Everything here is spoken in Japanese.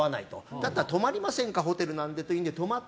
だったら泊まりませんかホテルなのでということで泊まり